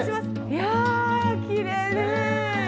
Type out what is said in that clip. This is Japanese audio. いやきれいね！ね！